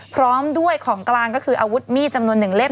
พร้อมด้วยของกลางก็คืออาวุธมีดจำนวน๑เล่ม